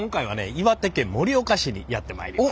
岩手県盛岡市にやって参りました。